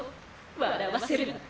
笑わせるな。